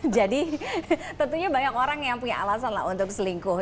jadi tentunya banyak orang yang punya alasan lah untuk selingkuh ya kan